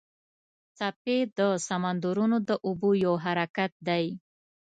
څپې د سمندرونو د اوبو یو حرکت دی.